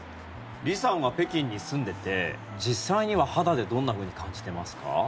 リさんは北京に住んでて実際には肌でどんなふうに感じていますか？